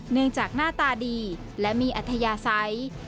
เนื่องจากหน้าตาดีและมีอัธยาศัย